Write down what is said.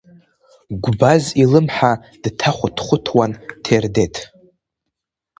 Гәбаз илымҳа дҭахәыҭхәыҭуан Ҭердеҭ.